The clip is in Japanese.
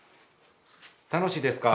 楽しいですか？